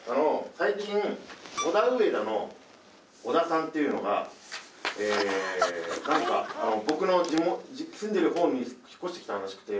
最近オダウエダの小田さんっていうのがなんか僕の住んでる方に引っ越してきたらしくて。